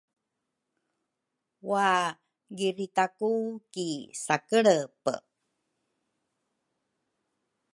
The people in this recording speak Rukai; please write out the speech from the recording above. wagiritaku ki sakelebe.